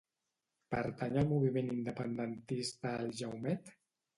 Pertany al moviment independentista el Jaumet?